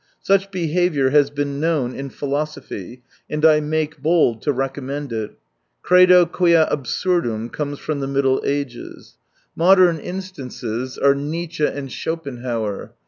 Such behaviour has been known in philosophy ; and I make bold to recommend it. Credo, quia absurdum comes from the Middle Ages. Modern l82 instances are Nietzsche and Schopenhauer.